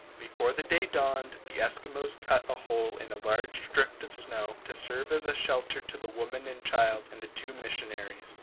Before the day dawned, the Esquimaux cut a hole in a large drift of snow, to serve as a shelter to the woman and child and the two missionaries.